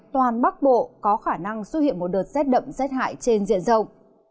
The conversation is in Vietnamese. toàn bắc bộ có khả năng xuất hiện một đợt z đậm z hại trên diện rộng